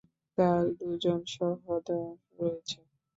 তার দুজন সহোদর রয়েছে।